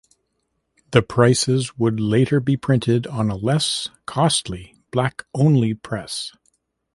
The prices would later be printed on a less costly black-only press.